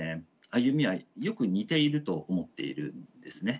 歩みはよく似ていると思っているんですね。